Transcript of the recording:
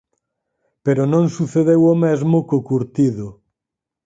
Pero non sucedeu o mesmo co curtido.